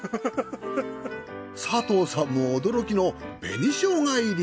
佐藤さんも驚きの紅生姜入り。